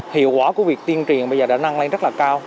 hiệu quả của việc tiên truyền bây giờ đã năng lên rất là cao